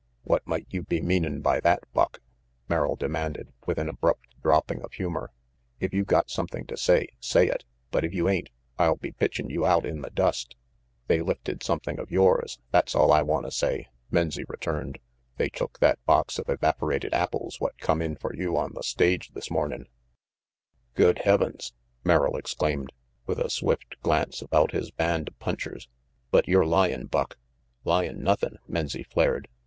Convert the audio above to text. "What might you be meanin' by that, Buck?" Merrill demanded, with an abrupt dropping of humor. "If you got something to say, say it, but if you ain't, I'll be pitchin' you out in the dust." "They lifted something of yours, that's all I RANGY PETE 55 wanta say," Menzie returned. "They took that box of evaporated apples what come in for you on the stage this mornin'." "Good heavens!" Merrill exclaimed, with a swift glance about his band of punchers, "but you're lyin', Buck." "Lyin' nothing," Menzie flared.